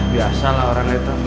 biasalah orang itu